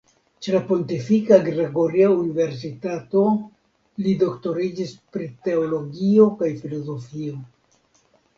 Ĉe la Pontifika Gregoria Universitato li doktoriĝis pri teologio kaj filozofio.